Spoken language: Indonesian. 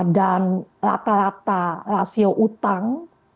dan rata rata rasio utang